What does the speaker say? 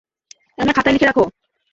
আমার খাতায় লিখে রাখো।